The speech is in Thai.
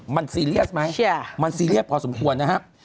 มันซีเรียสไหมมันซีเรียสพอสมควรนะครับ